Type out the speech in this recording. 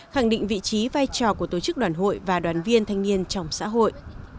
khẳng định vị trí vai trò của tổ chức đoàn hội và đoàn viên thanh niên trong xã hội